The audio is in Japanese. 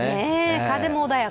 風も穏やか。